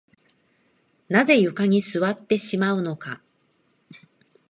なぜ床に座ってしまうのか